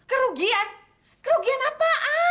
kerugian kerugian apaan